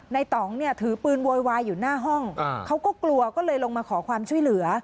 ต่องเนี่ยถือปืนโวยวายอยู่หน้าห้องเขาก็กลัวก็เลยลงมาขอความช่วยเหลือ